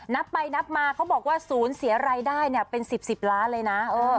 นับไปนับมาเขาบอกว่าศูนย์เสียรายได้เป็น๑๐๑๐ล้านเลยนะ